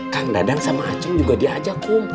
kan dadang sama acung juga diajak kum